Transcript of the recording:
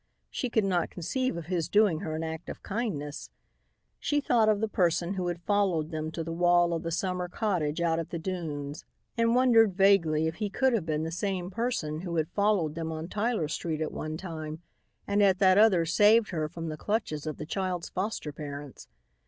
She could not conceive of his doing her an act of kindness. She thought of the person who had followed them to the wall of the summer cottage out at the dunes and wondered vaguely if he could have been the same person who had followed them on Tyler street at one time and at that other saved her from the clutches of the child's foster parents.